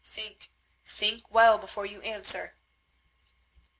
Think, think well before you answer."